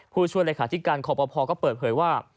ผู้ช่วยรายขาดที่การครอบครัวพอก็เปิดเผยว่า